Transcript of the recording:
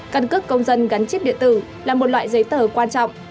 căn cước công dân gắn chip điện tử là một loại giấy tờ quan trọng